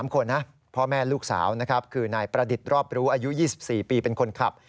๓คนนะพ่อแม่ลูกสาวนะครับคือนายประดิษฐ์รอบรู้อายุ๒๔ปีเป็นคนขับ